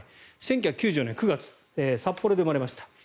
１９９４年９月に札幌で生まれました。